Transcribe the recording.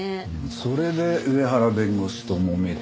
それで上原弁護士ともめてたとか？